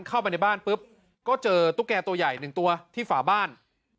เข้าไปในบ้านปุ๊บก็เจอตุ๊กแก่ตัวใหญ่๑ตัวที่ฝาบ้าน